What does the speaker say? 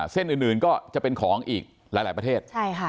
เส้นอื่นก็จะเป็นของอีกหลายประเทศ